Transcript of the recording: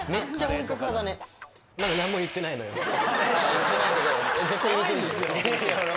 言ってないけど。